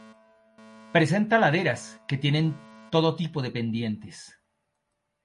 Presenta laderas que tienen todo tipo de pendientes.